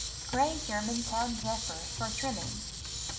Gray Germantown zephyr for trimming.